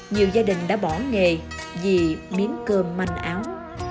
nhiều gia đình đã bỏ nghề vì miếng cơm manh áo